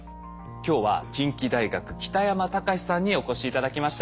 今日は近畿大学北山隆さんにお越し頂きました。